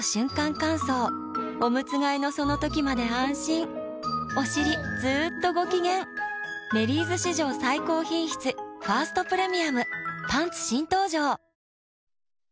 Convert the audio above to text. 乾燥おむつ替えのその時まで安心おしりずっとご機嫌「メリーズ」史上最高品質「ファーストプレミアム」パンツ新登場！